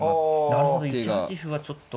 なるほど１八歩はちょっと。